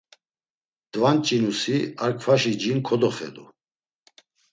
Dvanç̌inusi a kfaşi cin kodoxedu.